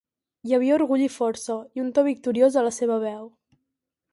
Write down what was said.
Hi havia orgull i força, i un to victoriós a la seva veu.